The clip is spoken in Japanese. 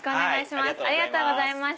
ありがとうございます。